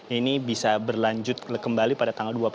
ini bisa berlanjut kembali pada tanggal dua puluh